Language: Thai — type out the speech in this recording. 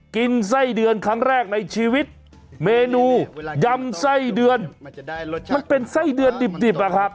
กินไส้เดือนครั้งแรกในชีวิตเมนูยำไส้เดือนมันเป็นไส้เดือนดิบอะครับ